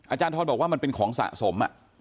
อาจารย์ทรบอกว่ามันเป็นของสะสม